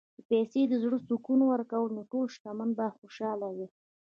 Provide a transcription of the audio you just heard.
که پیسې د زړه سکون ورکولی، نو ټول شتمن به خوشاله وای.